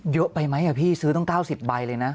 เยอะไปไหมอ่ะพี่ซื้อต้องเต้าสิบใบเลยนะ